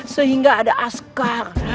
sehingga ada askar